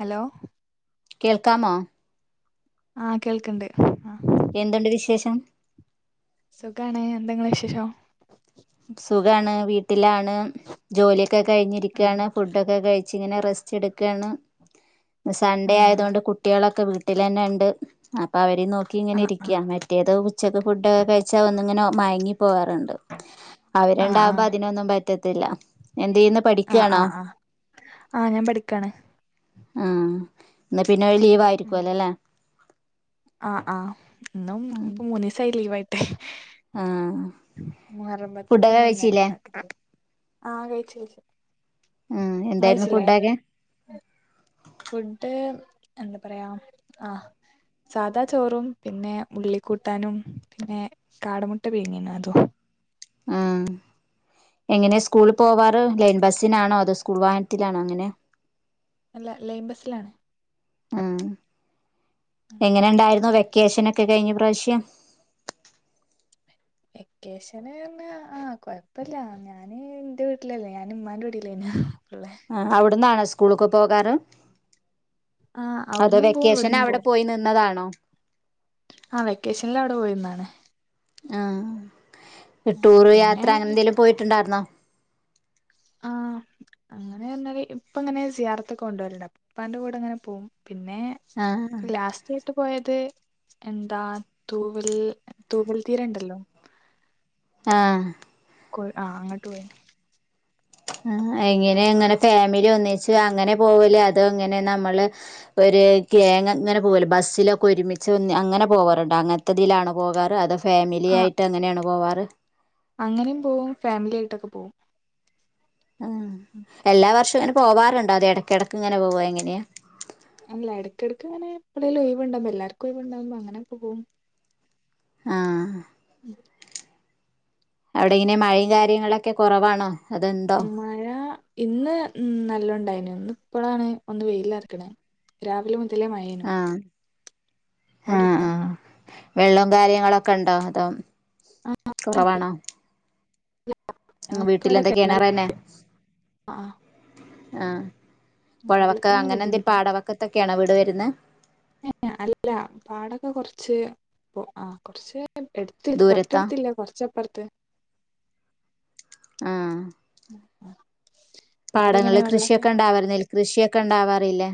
Hello കേൾക്കാമോ ആഹ് കേൾക്കണ്ട് ആഹ് എന്തുണ്ട് വിശേഷം സുഖാണ് എന്തൊ നിങ്ങടെ വിശേഷം സുഖാണ് വീട്ടിലാണ് ജോലിയൊക്കെ ആ കഴിഞ്ഞിരിക്കുകയാണ് ഫുഡൊക്കെ കഴി ങ്ങനെ റസ്റ്റ് എടുകാണ് സൺഡേ ആയതുകൊണ്ട് ആ കുട്ടികളൊക്കെ വീ ട്ടിൽ തന്നെണ്ട് അപ്പൊ അവരെ നോക്കി ആ ഇങ്ങനെ ആ ഇരിക്ക മ മറ്റേത് ഉച്ചക്ക് ഫുഡൊക്കെ കഴിച്ചാൽ ഒന്നിങ്ങനെ മയങ്ങി പോകാറുണ്ട് ആ അവരുണ്ടാവുമ്പോ അതിനൊന്നും പറ്റത്തില്ല എന്ത് ചെയ്യുന്നു പഠിക്കുയാണോ ആഹ് ഞാൻ പഠിക്കാണ് ആഹ് ഇന്ന് പിന്നെ ലീവ് ആയിരിക്കുവല്ലേ അല്ലേ ആഹ് ആഹ് ഇന്നും ഇപ്പൊ മൂന്ന് ദിവസായി ലീവായിട്ട് ആ മുഹറമ്പത്തിന്റെ ഫുഡൊക്കെ അന്നും ഇന്നലെ കഴിച്ചില്ലേ ഇന്നൊക്ക ആഹ് കഴിച്ച് കഴിച്ച് ഉം എന്തായിരുന്നു ഫുഡൊക്കെ ഫുഡ് എന്താ പറയാ ആഹ് സാധാ ചോറും പിന്നെ ഉള്ളിക്കൂട്ടാനും പിന്നെ കാടമുട്ട പ്പീങ്ങിനി അതും ആഹ് എങ്ങനെ സ്കൂള പോവാറ് ലൈൻ ബസിനാണോ അതോ സ്കൂൾ വാഹ ത്തിലാണോ അങ്ങനെ അല്ല ലൈൻ ബസ്സിലാണ് ആഹ് എങ്ങനെ ഉണ്ടായിരുന്നു വെക്കേഷനൊക്കെ കഴിഞ്ഞ പ്രാവശ്യം വെക്കേഷൻ ആഹ് കൊയപ്പില്ല ഞാന് ഇന്റെ വീട്ടിലല്ലേ ഞാൻ ഇമ്മാൻ്റെ വീ ട്ടിലേനു ഉള്ളേ ആഹ് അവിടന്നാണോ സ്കൂളിലിക്ക് പോകാറ് ആ അതൊ അവിടന്നും പോവും വെക്കേഷൻ ഇവിടന്നും അവിടെ പോവും പോയി നിന്നതാണോ ആഹ് വെക്കേഷനിൽ അവിടെ പോയിന്നാണ് ആഹ് ടൂറ് പിന്നെ യാത്ര അങ്ങനെ എന്തെങ്കിലും പോയിട്ടുണ്ടായിരുന്നോ ആഹ് അങ്ങനെ പറഞാല് ഇപ്പ ഇങ്ങനെ സിയാർത്തൊക്കെ കൊണ്ടോവലുണ്ട് ഇപ്പാന്റെ കൂടെ അങ്ങനെ പോകും പിന്നെ ആഹ് ലാസ്റ്റ് ലാസ്റ്റായിട്ട് പോയത് എന്താ തൂവൽ തൂവൽ തീര ഇണ്ടല്ലോ ആഹ് കൊ ആഹ് അങ്ങട്ട് പോയി എങ്ങനെ അങ്ങനെ ഫാമിലി ഒന്നിച്ച് അങ്ങനെ പോവലേ അതൊ അങ്ങനെ നമ്മള് ഒരു കേങ്ങ അങ്ങനെ പോകല്ല ബസ്സിലൊക്കെ ഒരുമിച്ച് ഒന്ന് അങ്ങനെ പോകാറുണ്ട് അങ്ങനത്തതിലാണോ പോകാറ് അതോ ആ ഫാമിലിയ ആയിട്ട് അങ്ങനെയാണ് പോവാറ് അങ്ങനെയും പോവും ഫാമിലി ആയിട്ടൊക്കെ പോവും ആ എല്ലാ വർഷവും അങ്ങനെ പോവാറുണ്ടോ അതോ ഇടയ്ക്കിടക്ക് ഇങ്ങനെ പോവാ എങ്ങനെയാ അല്ല ഇടക്കിടക്ക് അങ്ങനെ എപ്പോഴെലും ഒയ്‌വുണ്ടാകുമ്പോ എല്ലർക്കും ഒയ്‌വുണ്ടാകുമ്പോ അങ്ങനെ പോവും ആഹ് ഉം അവിടെ ഇങ്ങനെ മഴയും കാര്യങ്ങളൊക്കെ കുറവാണോ അതൊണ്ടോ മഴ ഇന്ന് നല്ലോണ്ടായിന് ഇന്ന് ഇപ്പോഴാണ് ഒന്ന് വെയിലറിക്ക്ന്ന് രാവിലെ മുതലേ മഴ ആ ആഹ് ആഹ് വെള്ളം കാര്യങ്ങളൊക്കെ ഉണ്ടോ അതോ കുറവാണോ ഉം ഞങ്ങക്ക് വീട്ടില ഇവിടെ എന്തൊക്കെയ കിണർ കേണരെന്നെ ആ ആഹ് പുഴവക്ക വെള്ളത്തിനൊന്നും അങ്ങനെ എന്തെങ്കലും ബുദ്ധിമുട്ട് പാടവക്കത്തൊക്കെയാനൊ വീട് വരുന്ന ഏഹ് ഏഹ് അല്ല പാടൊക്കെ കുറച്ച് ആ കുറച്ച് എടുത് ദൂരത്താ തൊട്ടടുത്തില്ല കുറച്ചപ്പുറത്ത് ആഹ് [inaudible] പടങ്ങളിൽ വെള്ളൊക്കെ കൃഷിയൊക്കെണ്ടാവാരിലെ നെൽകൃഷിയൊക്കെ ഉണ്ടാവാറിലെ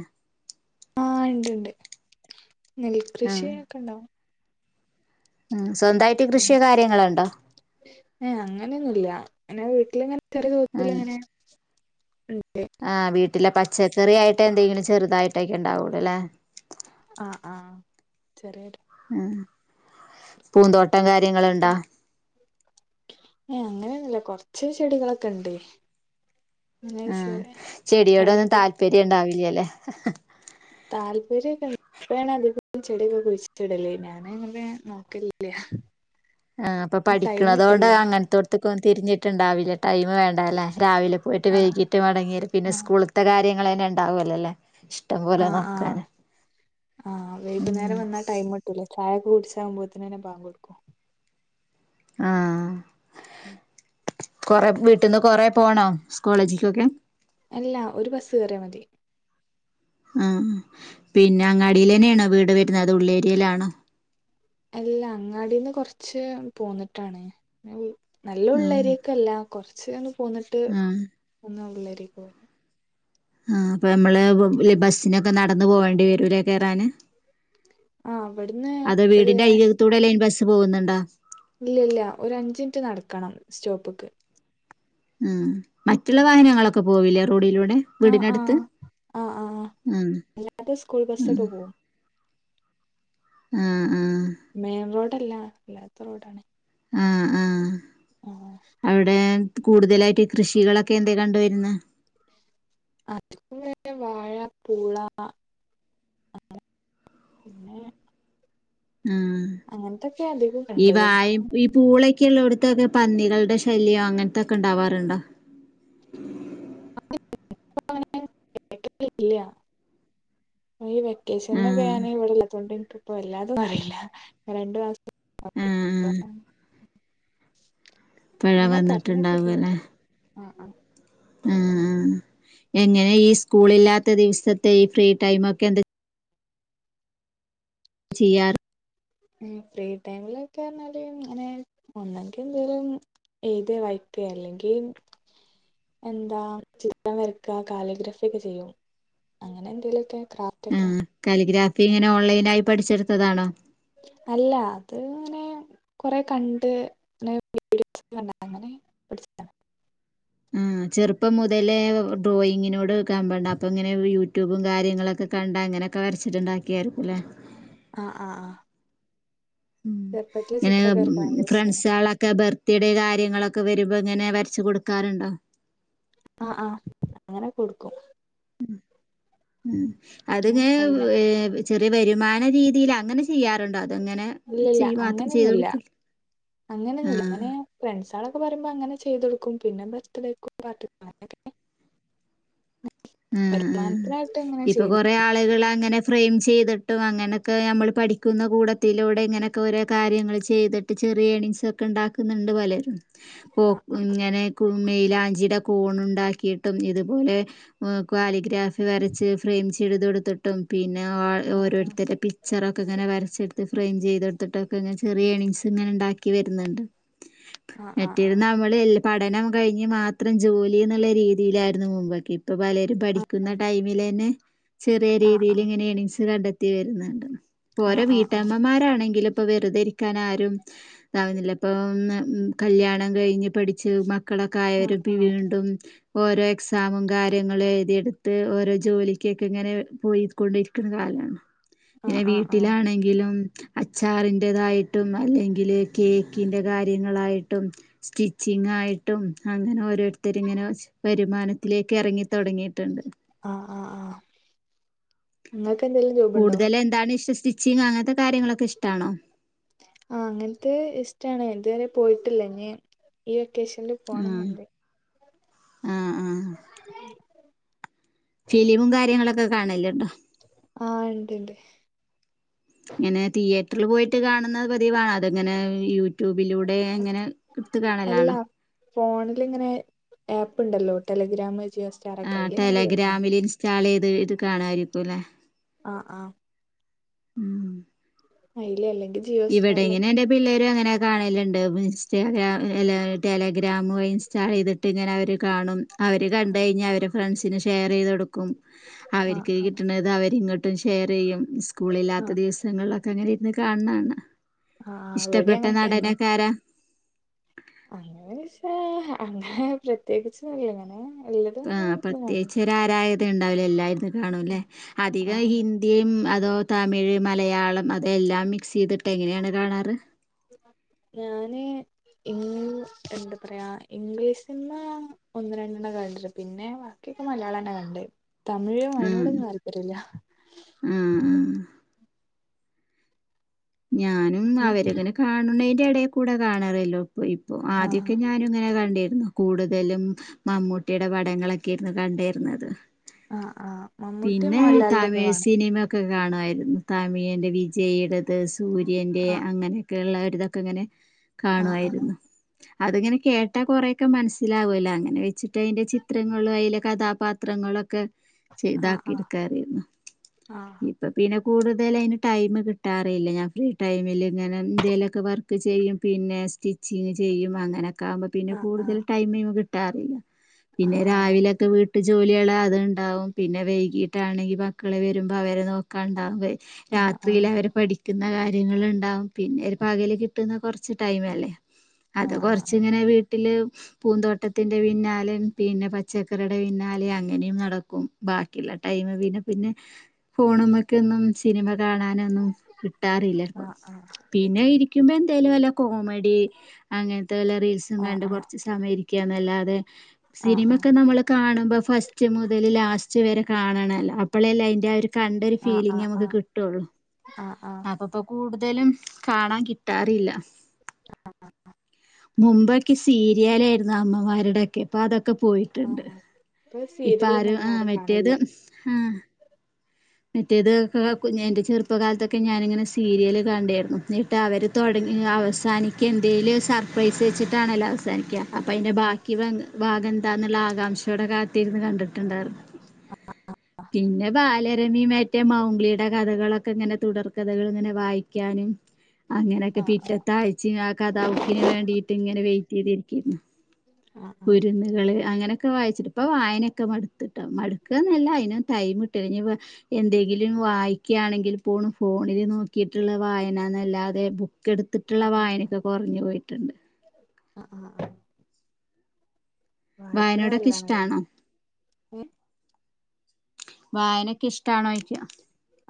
ആഹ് ഇണ്ട്ണ്ട് നെൽ ആഹ് കൃഷിക്കെണ്ടാവും മ്മ് സ്വന്തമായിട്ട് കൃഷിയോ കാര്യങ്ങളുണ്ടോ ഏഹ് അങ്ങനെയൊന്നുമല്ല എൻ്റെ വീട്ടിലിങ്ങനെ ചെറിയ തോതില് ഉം ഇങ്ങനെ ഇണ്ട് ആഹ് വീട്ടിലെ പച്ചക്കറി ആയിട്ട് എന്തെങ്കിലും ചെറുതായിട്ടൊക്കെ ഉണ്ടാവൂുള്ളൂ അല്ലെ ആഹ് ആഹ് ചെറിയ ഉം പൂന്തോട്ടം കാര്യങ്ങളുണ്ടാ ഏയ് അങ്ങനെയൊന്നുല്ല കൊറച്ച് ചെടികളൊക്കെ ഇണ്ട് ആഹ് ചെടിയോടൊന്നും അല്ലെങ്കി താല്പര്യം ഉണ്ടാവില്ലല്ലേ താല്പര്യൊക്ക ഇപ്പെണ് അധികചെടിയൊക്കെ കുഴിച്ചിടല്ല് ഞാനങ്ങനെ നോക്കലില്ല ആഹ് ഇപ്പൊ ടൈം പഠിക്കണതുകൊണ്ട് കിട്ടില്ല അങ്ങനത്തെടത്തൊക്കെ ഒന്ന് തിരിഞ്ഞ ട്ടുണ്ടാവില്ല ടൈംവേണ്ടല്ലേ രാവിലെ പോയിട്ട് ആഹ് വൈകിട്ട് മടങ്ങിവരും പിന്നെ ആഹ് സ്കൂൾ സ്കൂൾത്തെ കാര്യങ്ങൾ തന്നെ ഉണ്ടാവൂലെലേ ആഹ് ആഹ് ആഹ് ഉം വൈകുന്നേരം വന്നാ ടൈമ ചായൊക്കെ കുടിച്ചാകുബോത്തിന്നെ പാക് കൊടുക്കും ആഹ് ഉം [inaudible] കൊറ വീട്ടിൽന്ന് കൊറ പോണോ സ്കളേജിക്കൊക്കെ അല്ല ഒരു ബസ്സ് കേറിയ മതി ആഹ് ഉം. പിന്നെ അങ്ങാടിൽ തന്നെയാണോ വീട് വരുന്നത് അതൊ ഉള്ളേരിയയിലാണോ അല്ല അങ്ങാടിന്ന് കൊറച്ച് പോന്നിട്ടാണ് നല്ല ആഹ് ഉള്ളരിയെക്കല്ല കുറച്ചന്ന് പോന്നിട്ട് ആഹ് ഒന്ന് ഉള്ളരിക് വരും ആ അപ്പൊ നമ്മള് ബസ്സിനൊക്കെ നടന്ന് പോകേണ്ടി വരൂലെ കേറാന് ആഹ് ഇവിടുന്ന് അതോ ഒരു വീടിന്റ അയൽക്കത്തുകൂടെ ലൈൻ ബസ്സ് പോകുന്നുണ്ടോ ഇല്ല ഇല്ല ഒരു അഞ്ചിനിറ്റ് നടക്കണം സ്റ്റോപ്പ്ക്ക് ഉം മറ്റുള്ള വാഹനങ്ങളൊക്കെ പോവില്ലേ റോഡിലൂടെ ആഹ് വീടിനടുത്ത് ആഹ് ആഹ് ആഹ് അ ഉം അല്ലാത്ത സ്കൂൾ ഉം ബസ്സൊക്കെ പോവും ആഹ് ആഹ് മെയിൻ റോഡല്ല അല്ലാത്ത റോഡാണ് ആഹ് ആഹ് ആഹ് അവിടെ കൂടുതലായിട്ട് കൃഷികളൊക്കെ എന്ത കണ്ടുവരുന്നത് അത്പോ [unintelligible] വാഴ പൂള പിന്നെ ഉം അങ്ങനത്തൊക്കെ അധികം ഇ കണ്ടത് വായിം ഇപ് പൂളക്കെയള്ളടത്തൊക്കെ പന്നികളുടെ ശല്യം അങ്ങനത്തൊക്കെ ഉണ്ടാവാറുണ്ടോ കേില്ല [unintelligible] ഈ ഉം വെക്കേഷനൊക്കെ ഞാന് ഇവിടില്ലാത്തോണ്ട് ഇപ്പൊ എല്ലാതും അറിയില്ല രണ്ടു മാ ഉം [unintelligible] പുഴ അങ്ങനെ പറഞ്ഞി വന്നിട്ടുണ്ടാവും അല്ലേ [unintelligible] ആഹ് ആഹ് ഉം എങ്ങനെ ഈ സ്കൂള് ഇല്ലാത്ത ദിവസത്തെ ഈ ഫ്രീ ടൈമ് ഒക്കെ എന്താ ചെയ്യാർ ഫ്രീ ടൈമിലൊക്കെ പറഞ്ഞാല് അങ്ങനെ ഒന്നെങ്കി എന്തേലുംന്ന് എയുന്തെ വായിക്കെ അല്ലെങ്കിൽ എന്താ ചിത്രം വരക്ക കാലിയോഗ്രാഫി ഒക്കെ ചെയ്യും അങ്ങനെ എന്തേലുമൊക്കെ ക്രാഫ്റ്റ് ഒക്കെ ആഹ് കാലിഗ്രാഫി ഇങ്ങനെ ഓൺലൈനായി പഠിച്ചെടുത്തതാണോ അല്ല അത് ഇങ്ങനെ കുറെ കണ്ട് അങ്ങനെ [unintelligible] പഠിച്ചതാ ആഹ് ചെറുപ്പം മുതലേ ഡ്രോയിങ്ങിനോട് കമ്പമുണ്ട് അപ്പം ഇങ്ങനെ യു യൂട്യൂബും കാര്യങ്ങളൊക്കെ കണ്ട് അങ്ങനെയൊക്കെ വരച്ചിട്ടുണ്ടാക്കിയായിരിക്കുമല്ലേ ആഹ് ആഹ് ആഹ് ഉം ചെറുപ്പത്തില് ഇങ്ങനെ ചിത്രകാർക്ക് ഭയങ്കര ഇഷ്ടാണ് ഫ്രണ്ട്സ്കാലേ ഒക്കെ ബർത്ത്ഡേ കാര്യങ്ങളൊക്കെ വരുമ്പോ ഇങ്ങനെ വരച്ചു കൊടുക്കാറുണ്ടോ ആഹ് ആഹ് അങ്ങന കൊടുക്കും ഉം ഉം അങ്ങനെ അതങ്ങെ അയിന് ഏഹ് ചെറിയ വരുമാന രീതിയിൽ അങ്ങനെ ചെയ്യാറുണ്ടോ അതങ്ങനെ ഇല്ലില്ല ചെയ് മാത്രം അങ്ങനെയൊന്നും ചെയ്ത് ഇല്ല കൊടുക്കല് അങ്ങനൊന്നുമില്ല ആഹ് അങ്ങനെ ഫ്രണ്ട്സ്ളൊക്കെ പറയുമ്പോ അങ്ങനെ ചെയ്തു കൊടുക്കും പിന്നെ ബര്ത്ഡേയ്ക്കും പാർട്ടിക്കും അങ്ങനൊക്കെ ഉം ഉം വരുമാനത്തിനായിട്ട് അങ്ങനെ ഇപ്പൊ കുറ ചെയ്യല് കുറേ ആളുകള് അങ്ങനെ ഫ്രെയിം ചെയ്തിട്ടും അങ്ങനെയൊക്കെ നമ്മള് പഠിക്കുന്ന കൂടത്തിലൂടെ ഇങ്ങനെ ഒക്കെ ഓരോ കാര്യങ്ങൾ ചെയ്തിട്ട് ചെറിയ ഏണിങ്സൊക്കെ ഉണ്ടാക്കുന്നുണ്ട് പലരും പോ ആഹ് ഇങ്ങനെ മെയിലാഞ്ചിയുടെ കോൺ ഉണ്ടാക്കിയിട്ടും ഇതുപോലെ കാലിഗ്രാഫി വരച്ച് ഫ്രെയിം ചെയ്ത് കൊടുത്തിട്ടും പിന്നെ ഓരോരുത്തര് പി പിച്ചറൊക്കെ ഇങ്ങനെ വരച്ചെടുത്ത് ഫ്രെയിം ചെയ്തെടുത്തിട്ടൊക്കെ ഇങ്ങനെ ചെറിയ ഏണിങ്സ് ഇങ്ങനെ ഉണ്ടാക്കി വരുന്നുണ്ട് [unintelligible] ആഹ് ആഹ് മറ്റേത് ആഹ് നമ്മള് പഠനം കഴിഞ്ഞ് മാത്രം ജോലി എന്നുള്ള രീതിയിലായിരുന്നു മുമ്പൊക്കെ ഇപ്പൊ പലരും പഠിക്കുന്ന ആഹ് ടൈമില് തന്നെ ചെറിയ രീതിയില് ആഹ് ഇങ്ങനെ ഏണിങ്സ് കണ്ടെ ണ്ടെത്തി വരുന്നുണ്ട് ഇപ്പോ ഓരോ ആഹ് ആഹ് ആഹ് ആഹ് വീട്ടമ്മമാരാണെങ്കിലും ഇപ്പൊ വെറുതെയിരിക്കാൻ ആരും ഇതാവുന്നില്ല ഇപ്പൊ കല്യാണം കഴിഞ്ഞ് പഠിച്ച് മ മക്കളൊക്കൊആയവരും വീണ്ടും ഓരോ എക്സാമും കാര്യങ്ങളും എഴുതിയെടുത്ത് ഓരോ ജോലിക്കൊക്കെ ഇങ്ങനെ പോയിക്കൊണ്ടിരിക്കുന്ന കാലമാ ആഹ് ആഹ് പിന്നെ ആഹ് ആഹ് ആഹ് വീട്ടിലാണെങ്കിലും അച്ചാറിന്റെതായിട്ടും അല്ലെങ്കില് കേക്കിന്റെ കാര്യങ്ങളായിട്ടും സ്റ്റിച്ചിങ്ങ് ആയിട്ടും അങ്ങനെ ഓരോരുത്തര് ഇങ്ങനെ വരുമാനത്തിലേക്ക് ഇറങ്ങിത്തുടങ്ങിയിട്ടുണ്ട് ആഹ് ആഹ് ആഹ് നിങ്ങൾക്ക് എന്തേലും ജോബുണ്ടോ കൂടുതല് എന്താണ് ഇഷ്ടം സ്റ്റിച്ചിങ് അങ്ങനത്തെ കാര്യങ്ങളൊക്കെ ഇഷ്ടാണോ ആഹ് അങ്ങനത്തെ ഇഷ്ടാണ് ഇതുവരെ പോയിട്ടില്ല ഇനി ഈ വെക്കേന്ല് ആഹ് ആഹ് ആഹ് [unintelligible] ഫിലിമും കാര്യങ്ങളൊക്കെ കാണലുണ്ടോ ആഹ് ഇണ്ട് ഇണ്ട് ഇങ്ങനെ തിയേറ്ററില് പോയി ഇട്ട് കാണുന്നത് പതിവാണോ അതിങ്ങനെ യൂട്യൂബിലൂടെ ഇങ്ങനെ എടുത്ത് കാണലാണോ ഫോണിലിങ്ങനെ ആപ്പ് ഉണ്ടല്ലോ ടെലിഗ്രാം ജിയോ സ്റ്റാർ ഒക്കെ ആഹ് അയില് ഇങ്ങനെ കേറി കാണും ടെലഗ്രാമില് ഇൻസ്റ്റാൾ ചെയ്ത് ഇത് കാണാമായിരിക്കും ല്ലേ ആഹ് ആഹ് ഐലേ അല്ലെങ്കിൽ ജിയോ സ്റ്റാറിലൊക്കെ ഇവിടെങ്ങനെന്റെ പിള്ളേരും അങ്ങനെ കാണലുണ്ട് ഇൻസ്റ്റാഗ്രാം [unintelligible] ടെലഗ്രാും ഇൻസ്റ്റാ ഇത് ട്ടിങ്ങനെ അവര് കാണും അവര്കണ്ടെഴിഞാ അവര് ഫ്രണ്ട്സിന്ഷെയറൈയ്ത് കൊടുക്കും ആഹ് ആഹ് അവർക്ക്കിട്ടണത്അവരിങ്ങട്ട് ആഹ് ട്ടുംഷെയറെയ്യുംസ്കൂളില്ലാത്തദിവസങ്ങളിലൊക്കെഅങ്ങനെരുന്ന്കാ ൺണാണ ആഹ് ഇവിടെ അങ്ങനെയൊക്കെ തന്നെ ആരാ അങ്ങനെചോയിച്ചാ അങ്ങനെ പ്രത്യേകിച്ചിലങ്ങനെ ആഹ് പ്രത്യേകിച്ച് ഒരു ആരായത ഉണ്ടാവലല്ലായെടത്തും കാണുല്ലേ ആഹ് [unintelligible] ന്തിംഅതോ തമിഴ്, മലയാളം അതോ എല്ലാം മിക്സെയ്തിട്ട് എങ്ങനെയാണ് കാണാറ് ഞാന് ഈ എന്താപറയാ ഇംഗ്ലീഷ്സിനിമഒന്ന് രണ്ടെണ്ണകിണ്ട്ട്ടിണ്ട് പിന്നെ ക്കിയോക്കെമലയാളന്നെകണ്ടേ തമിഴും അയിനോടൊന്നുംതാല്പര്യല്ല്യ മ് മ് ഞാനുംഅവരിങ്ങനെകാണനെയിന്റെഎടെകൂടെകാണാറല്ലോ അപ്പഇപ്പോആദ്യോക്കെഞാനുങ്ങനെകണ്ടിരുന്നു ആഹ് കൂടുതലുംമമ്മൂട്ടിയുടെപടങ്ങളൊക്കെയിരുന്നുകണ്ടിരുന്നത്. ആഹ ആഹ മം പിന്നെ തമിഴ്സിനിമൊ ക്കെകാണായിരുന്നുതാമിഴേൻ്റെ വിജയിടത് ആഹ് സൂര്യൻ്റെഅങ്ങനെൊക്കെ ക്കെള്ളോര്തൊക്കെഇങ്ങനെ ആഹ് കാണുമായിരുന്നു. അയിങ്ങനെകേട്ടാകൊറെേക്കെ മനസ്സിലാവൊല്ലോഅങ്ങനെവെച്ചിട്ട് അയിന്റെചിത്രങ്ങള്അയിലെകഥാപാത്രം ത്രങ്ങളൊക്കെ ആഹ് ആഹ് ചെയ്താക്കിട്ക്കാറിയുന്നുഇപ്പൊ പിന്നെകൂടുതലയിന്ടൈമ് കിട്ടാറയില്ലഞാൻഫ്രീടൈമിലിങ്ങനെ എന്തേലൊക്കെവർക്ക് ചെയ്യുംപിന്നെ സ്റ്റിച്ചിങ്ങ്ചെയ്യും അങ്ങനെയൊക്കാവുമ്പോ പിന്നെ ആഹ് കൂടുതല് ടൈമ്കിട്ടാറില്ല ആഹ് പിന്നെരാവിലൊക്കെവീട്ടുജോലിയളത്ണ്ടാവും. പിന്നെവൈകീട്ടാണെങ്കിമക്കള് വരുമ്പോഅവരെനോക്കാണ്ടാവും ആഹ് രാത്രിയിലവര്പഠിക്ക ക്കുന്നകാര്യങ്ങുണ്ടാവുംപിന്നെഒരു പകല്കിട്ടുന്നകൊറച്ച്ടൈമല്ലേ ആഹ് ആഹ് ആഹ് അത്കൊറച്ചിങ്ങനെ വീട്ടില് പൂന്തോട്ടത്തിന്റെ പിന്നാലെ പിന്നെപച്ചക്കറിയുടെപിന്നാലെ അങ്ങനെയുംനടക്കും ബാക്കിയുള്ളടൈമ് പിന്നെപിന്നെ ഫോണ് മെക്കെന്നുംസിനിമകാണാൻ ആഹ് ആഹ് ആഹ് നൊന്നുംകിട്ടാറില്ലപിന്നെഇരിക്ക്മ്പെന്തേലുംവല്ലകോമ ഡിഅങ്ങനത്തെവല്ലറീൽസുംകണ്ട് ആഹ് കൊറച്ച്സമയംഇരിക്കുകന്നല്ലാതെ ആഹ് സിനിമൊക്കെനമ്മള്കാണുമ്പോ ഫസ്റ്റ്മുതൽലാസ്റ്റ് വരെകാണണല്ലോ അപ്പോഴല്ലേഅയിന്റെആഒരു ആഹ് ആഹ് ആഹ് ആഹ് ആഹ് കണ്ടൊരുഫീലിം ആഹ് ആഹ് ആഹ് നമക്ക്കിട്ടുള്ളു ആഹ് ആഹ് അപ്പപ്പ കൂടുതലുംകാണാൻകിട്ടാറില്ല. ആഹ ഹാ ഹാ മുമ്പൊക്കെസീരിയാലായിരുന്നു അമ്മമാരുടെൊക്കെ ഇപ്പൊതൊക്കെപോയിട്ടുണ്ട് ആഹ് ഇപ്പൊ ഇപ്പ സീരിയലൊന്നും ആരും അങ്ങനെ ആഹ് കാണില്ല ആഹ് മറ്റേതൊക്കെ കുഞ്ഞിന്റെ ചെറുപ്പകാലത്തൊക്കെ ഞാനിങ്ങനെസീരിയല് കണ്ടായിരുന്നു എന്നിട്ടവര് തൊടങ്ങിഅവസാനിക്കന്തേലും സർപ്രൈസ്വെച്ചിട്ടാണാല്ലോഅവസാനിക്ക ആഹ് അപ്പൊഅയിന്റെബാക്കിഭാഗം എന്താന്നുള്ളആകാംക്ഷയോടെ കാത്തിരുന്ന്കണ്ടിട്ടുണ്ടായിരുന്നു. അ അ അ അ പിന്നെ ബാലരമി മറ്റേ മൗംഗ്ലിടെ കഥകളൊക്കെ ഇങ്ങനെ തുടർ കഥകളിങ്ങനെ വായിക്കാന് അങ്ങനൊക്കെ ആഹ് ആഹ് പിറ്റത്താഴ്ചയും ആ കഥാബുക്കിന് വേണ്ടിട്ട്ങ്ങനെ വെയ്റ്റെയ്തിരിക്കും ആഹ് ആഹ് കുരുന്നുകള് അങ്ങനൊക്കെ വായിച്ചിട്ട് പ്പൊ വായനൊക്കെ മടുത്ത്ട്ടാ മടു ക്ക് ന്നല്ല അയ്നൊ തൈമ്ട്ടു ല. ഞ്ഞിപ്പോ എന്തെങ്കിലും വായിക്യാണെങ്കിൽ പോണ് ഫോണില് നോക്കിട്ടുള്ള വായനന്നല്ലാതെ ബു ക്കെടുത്തിട്ടുള്ള വായനൊക്കെ കൊറഞ്ഞു പോയിട്ടുണ്ട് അ അ ആ വായനോടൊക്കെ നല്ലാണല്ലേ ഇഷ്ടാണോ ഏ വായനക്കെ ഇഷ്ടാണോ ചോയ്ക്യ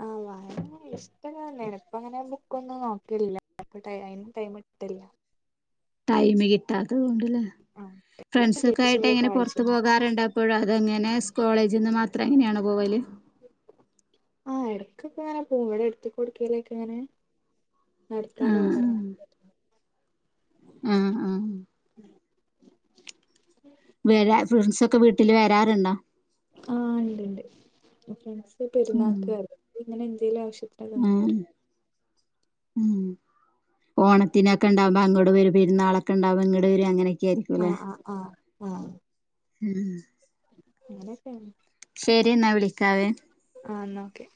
ആ വായന ഇഷ്ടാക്കുന്നെണ് പ്പം അങ്ങനെ ബുക്കൊന്നും വായിക്കണില്ല അപ്പ ടൈം ടൈമ് കിട്ടണില്ല ടൈം കിട്ടാത്തത് കൊണ്ടല്ലേ ആ ഫ്രണ്ട്സൊക്കെ ആയിട്ട് വെക്കേഷനിലൊക്കെ എങ്ങനെ പുറത്തു വായിച്ചിരുന്നു പോകാറുണ്ടോ ഇപ്പോഴതെങ്ങനെ സ്കോളേജിന്ന് മാത്രം എങ്ങനെയാണ് പോവല് ആ ഇടക്കൊക്കെ ങ്ങനെ പോം ഇവിടെ അടുത്ത എവിടുക്കക്കെങ്ങനെ നടക്കാനോ ആഹ് കറങ്ങാ അ ആ വരാ ഫ്രണ്ട്സൊക്കെ വീട്ടില് വരാറുണ്ടോ ആ ണ്ട് ണ്ട് ഫ്രണ്ട്സ് പെരുന്നാക്ക് വരും ഇങ്ങനെ എന്തേലും ആവശ്യത്തി ആ ഉ ഓണത്തിനൊക്കെണ്ടാവുമ്പോ അങ്ങോട് വരും പെരുന്നാളൊക്കെണ്ടാവും ങ്ങട് വരും അങ്ങനെയൊക്കെയരിം ആ ആ അ ആ ഉം അങ്ങനക്കെയാണ് ശരിയെന്നാ വിളിക്കാവേ ആ എന്നാക്കെ